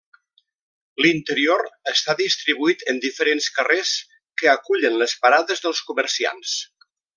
L'interior està distribuït en diferents carrers que acullen les parades dels comerciants.